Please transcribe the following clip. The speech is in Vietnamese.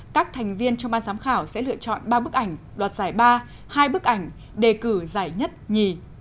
các thành viên trong ban giám khảo sẽ lựa chọn ba bức ảnh đoạt giải ba hai bức ảnh đề cử giải nhất nhì